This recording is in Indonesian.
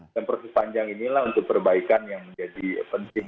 dan proses panjang inilah untuk perbaikan yang menjadi penting